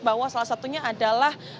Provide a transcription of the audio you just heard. bahwa salah satunya adalah